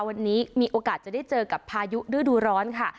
วันนี้มีโอกาสจะได้เจอกับพายุฤดูร้อนค่ะ